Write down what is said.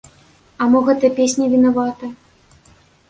А мо гэта песня вінавата?